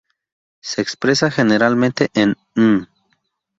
Se expresa generalmente en mm.